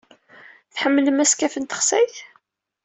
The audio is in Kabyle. Tḥemmlem askaf n texsayt?